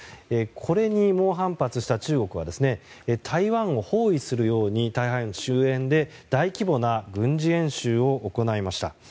これに猛反発した中国は台湾を包囲するように台湾周辺で大規模な軍事演習を行いました。